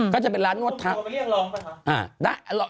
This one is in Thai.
ก็จะเป็นร้านนวดเท้า